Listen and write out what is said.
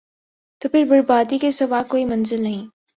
تو پھر بربادی کے سوا کوئی منزل نہیں ۔